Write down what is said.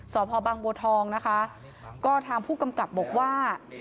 สพบังบัวทองนะคะก็ทางผู้กำกับบอกว่า